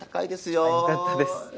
よかったです。